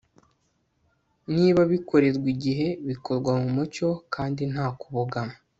niba bikorerwa igihe, bikorwa mu mucyo kandi nta kubogama